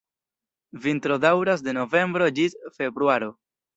Vintro daŭras de novembro ĝis februaro.